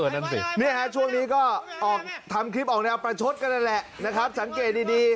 เนี่ยฮะช่วงนี้ก็ทำคลิปออกแนวปลาชดก็นั่นแหละนะครับสังเกตดี